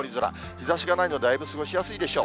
日ざしがないので、だいぶ過ごしやすいでしょう。